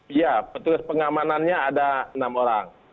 iya petugas pengamanannya ada enam orang